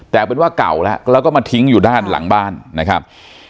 แต่เอาเป็นว่าเก่าแล้วแล้วก็มาทิ้งอยู่ด้านหลังบ้านนะครับ